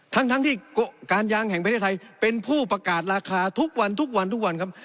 ทั้งที่การยางแห่งประเทศไทยเป็นผู้ประกาศราคาทุกวันทุกวันทุกวันครับ